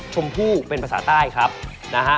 ชมพู่เป็นภาษาใต้ครับนะฮะ